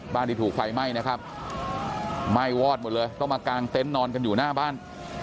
ที่ถูกไฟไหม้นะครับไหม้วอดหมดเลยต้องมากางเต็นต์นอนกันอยู่หน้าบ้าน